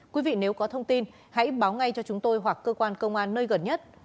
quý vị nếu có thông tin hãy báo ngay cho chúng tôi hoặc cơ quan công an nơi gần nhất